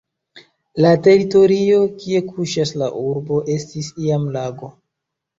La teritorio kie kuŝas la urbo estis iam lago.